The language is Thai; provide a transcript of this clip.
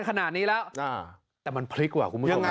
ขนาดนี้แล้วแต่มันพลิกกว่าคุณผู้ชมนะ